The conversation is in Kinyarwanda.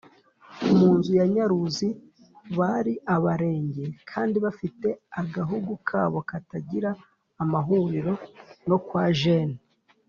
munzu ya nyaruzi bari abarenge, kandi bafite agahungu kabo katagiraga amahuriro no kwa jeni.